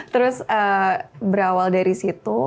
terus berawal dari situ